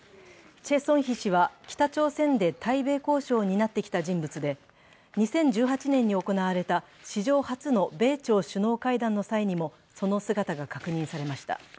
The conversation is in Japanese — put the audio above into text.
チェ・ソンヒ氏は北朝鮮で対米交渉を担ってきた人物で、２０１８年に行われた史上初の米朝首脳会談の際にもその姿が確認されました。